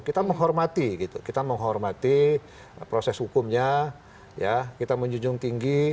kita menghormati gitu kita menghormati proses hukumnya kita menjunjung tinggi